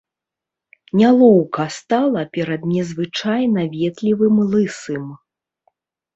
Нялоўка стала перад незвычайна ветлівым лысым.